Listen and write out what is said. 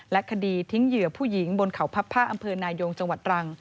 และคดีทิ้งเหยื่อผู้หญิงบนขาวพรรภภอำเภออำเภอนายโยงจังหวัดรัง